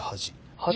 「はい」